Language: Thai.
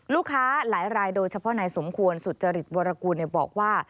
ลูกค้าหลายรายโดยเฉพาะนายสมควรสุจริตวรกูลบอกว่า